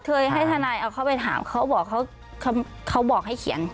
ให้ทนายเอาเขาไปถามเขาบอกให้เขียน